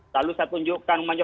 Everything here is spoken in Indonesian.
lalu saya tunjukkan